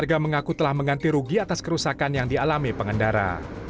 warga mengaku telah mengganti rugi atas kerusakan yang dialami pengendara